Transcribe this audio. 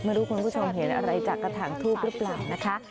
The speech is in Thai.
ไม่รู้คุณผู้ชมเห็นอะไรจากกระถางทูบหรือเปล่านะคะ